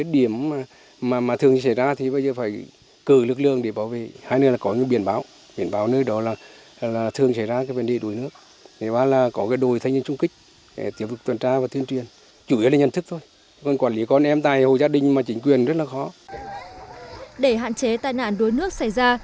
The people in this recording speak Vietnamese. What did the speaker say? để hạn chế tai nạn đuối nước xảy ra